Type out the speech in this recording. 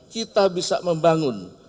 kita bisa membangun